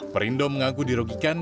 perindo mengaku dirogikan